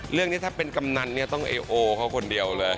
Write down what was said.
เรื่องนี้ถ้าเป็นกำนันเนี่ยต้องเอโอเขาคนเดียวเลย